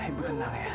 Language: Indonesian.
ibu tenang ya